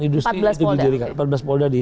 industri itu diberikan empat belas polda di